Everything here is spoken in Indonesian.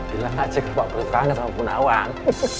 bilang aja ke pak bos sekarang sama bunda wang